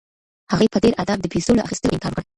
هغې په ډېر ادب د پیسو له اخیستلو انکار وکړ.